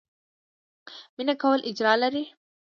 مينه کول اجر لري